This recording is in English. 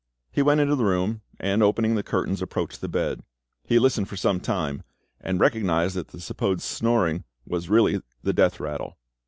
He went into the room, and, opening the curtains, approached the bed. He listened for some time, and recognised that the supposed snoring was really he death rattle.